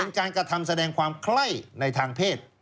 เป็นการกระทำแสดงความไคร้ในทางเพศ